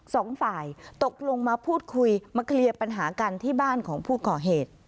สองฝ่ายตกลงมาพูดคุยมาเคลียร์ปัญหากันที่บ้านของผู้ก่อเหตุ